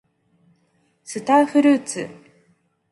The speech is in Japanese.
スターフルーツ